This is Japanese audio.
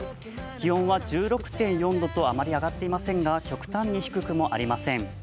気温は１６．４度とあまり上がっていませんが、極端に低くもありません。